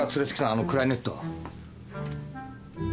あのクラリネットは。